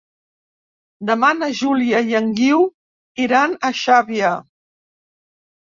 Demà na Júlia i en Guiu iran a Xàbia.